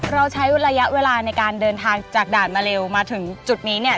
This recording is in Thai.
เราใช้ระยะเวลาในการเดินทางจากด่านมาเร็วมาถึงจุดนี้เนี่ย